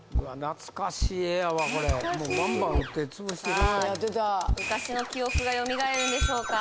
懐かしい絵やわこれもうバンバン撃って潰していくしかない昔の記憶がよみがえるんでしょうか？